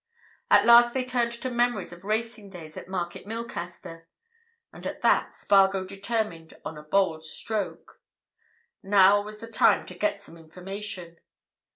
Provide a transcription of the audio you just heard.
At last they turned to memories of racing days at Market Milcaster. And at that Spargo determined on a bold stroke. Now was the time to get some information.